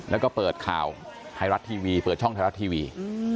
แล้วก็เปิดข่าวช่องไทยรัตน์ทีวี